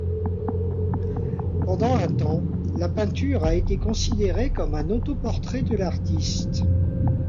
Pendant un temps, la peinture a été considérée comme un autoportrait de l'artiste.